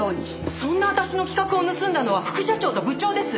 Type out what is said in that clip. そんな私の企画を盗んだのは副社長と部長です！